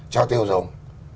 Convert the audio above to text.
cho tiêu dùng